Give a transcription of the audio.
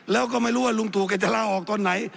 แล้วก็ไม่รู้ว่าลมถูกยังจะล่าออกต้นไหน